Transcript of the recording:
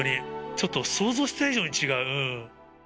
ちょっと想像した以上に違う。